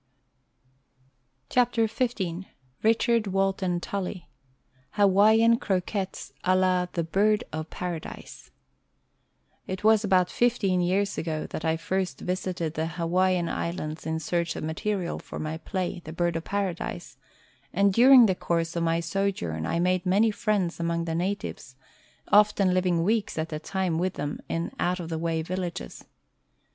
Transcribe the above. WRITTEN FOR MEN BY MEN XV Richard Walton Tully HAWAIIAN CROQUETTES A LA "THE BIRD OF PARADISE" It was about fifteen years ago that I first visited the Hawaiian Islands in search of material for my play, "The Bird of Paradise," and during the course of my sojourn I made many friends among the natives, often living weeks at a time with them in out of the way villages.